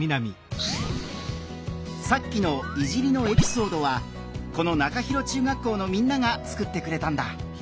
さっきの「いじり」のエピソードはこの中広中学校のみんなが作ってくれたんだ。